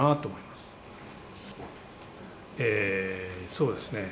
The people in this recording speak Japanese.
そうですね」